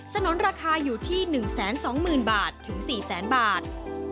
นุนราคาอยู่ที่๑๒๐๐๐บาทถึง๔แสนบาท